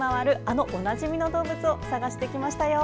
あのおなじみの動物を探してきましたよ。